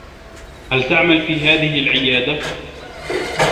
هل تعمل في هذه العيادة؟